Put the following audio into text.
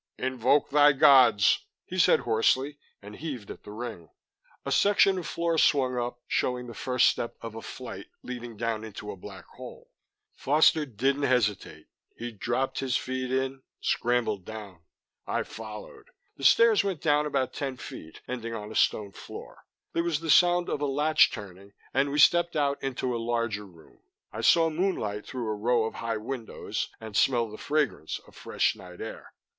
"Invoke thy gods," he said hoarsely, and heaved at the ring. A section of floor swung up, showing the first step of a flight leading down into a black hole. Foster didn't hesitate; he dropped his feet in, scrambled down. I followed. The stairs went down about ten feet, ending on a stone floor. There was the sound of a latch turning, and we stepped out into a larger room. I saw moonlight through a row of high windows, and smelled the fragrance of fresh night air.